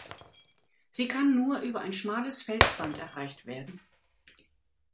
Sie kann nur über ein schmales Felsband erreicht werden.